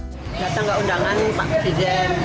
ternyata gak undangan pak presiden